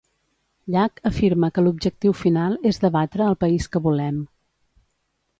Llach afirma que l'objectiu final és debatre el país que volem.